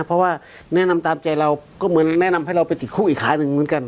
เพราะแนะนำตามใจก็เหมือนแนะนำไปเอาไปติดคลุกอีกขายนึงมันกัน